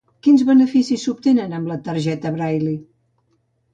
Quins beneficis s'obtenen amb la targeta Braille?